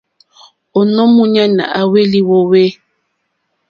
Ònô múɲánà à hwélì wòòwê.